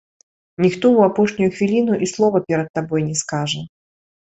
Ніхто ў апошнюю хвіліну і слова перад табой не скажа.